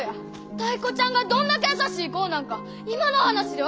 タイ子ちゃんがどんだけ優しい子なんか今の話で分かったやろ！